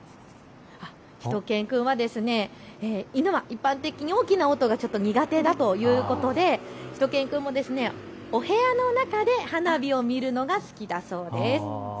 しゅと犬くんは犬は一般的に大きな音が苦手だということでしゅと犬くんもお部屋の中で花火を見るのが好きだそうです。